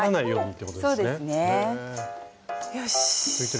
よし！